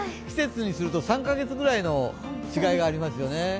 季節にすると３カ月くらいの違いがありますよね。